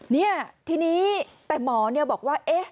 นี่แต่หมอนี่โบสถ์ว่า